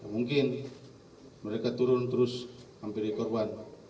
mungkin mereka turun terus hampir di korban